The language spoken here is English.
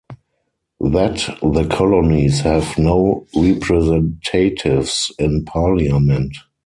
That the Colonies have no Representatives in Parliament.